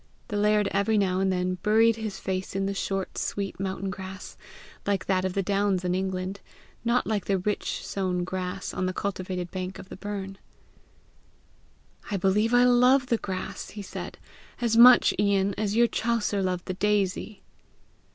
The laird every now and then buried his face in the short sweet mountain grass like that of the clowns in England, not like the rich sown grass on the cultivated bank of the burn. "I believe I love the grass," he said, "as much, Ian, as your Chaucer loved the daisy!"